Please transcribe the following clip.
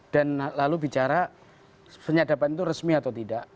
dan lalu bicara penyadapan itu resmi atau tidak